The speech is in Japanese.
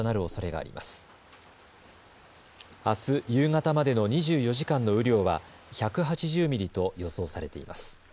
あす夕方までの２４時間の雨量は１８０ミリと予想されています。